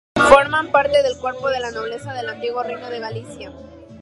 Forma parte del "Cuerpo de la Nobleza del Antiguo Reino de Galicia".